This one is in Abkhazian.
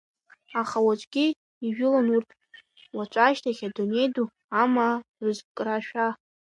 Аха уаҵәгьы ижәылон урҭ, уаҵәашьҭахь адунеи ду амаа рызкрашәа.